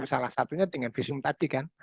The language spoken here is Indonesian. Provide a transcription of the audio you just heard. salah satunya dengan visum tadi kan